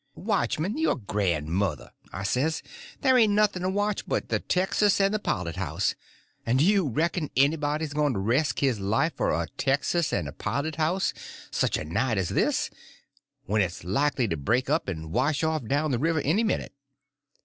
"Watchman your grandmother," I says; "there ain't nothing to watch but the texas and the pilot house; and do you reckon anybody's going to resk his life for a texas and a pilot house such a night as this, when it's likely to break up and wash off down the river any minute?"